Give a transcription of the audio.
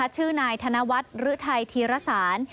ชื่อนายธนวัฒน์หรือไทยธีรสาร